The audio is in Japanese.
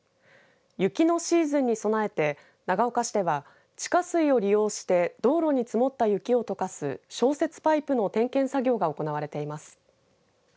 雪のシーズンに備えて長岡市では地下水を利用して道路に積もった雪をとかす消雪パイプの点検作業が行われています。